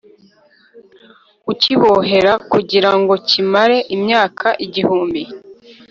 akibohera kugira ngo kimare imyaka igihumbi,